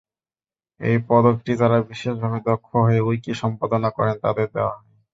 এই পদকটি যারা বিশেষভাবে দক্ষ হয়ে উইকি সম্পাদনা করেন তাদের দেওয়া হয়।